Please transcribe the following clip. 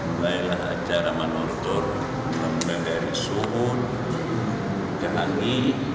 mulailah acara menortor memulai dari suhud jahangi